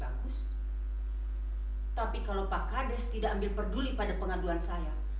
tapi kalau pak kades tidak ambil peduli pada pengaduan saya